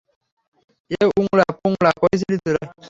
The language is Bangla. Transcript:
এ উংরা পুংরা, কই ছিলি তুই?